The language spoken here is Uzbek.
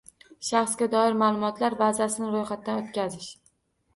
Shaxsga doir ma’lumotlar bazasini ro‘yxatdan o‘tkazish